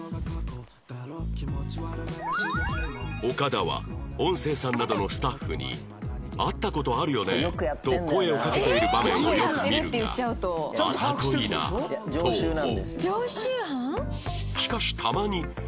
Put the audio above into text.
岡田は音声さんなどのスタッフに「会った事あるよね？」と声をかけている場面をよく見るがあざといなと思う